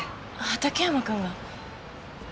畑山君が？